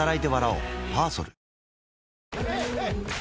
はい！